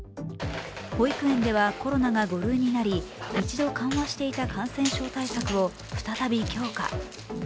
保育園ではコロナが５類になり一度緩和していた感染症対策を再び強化。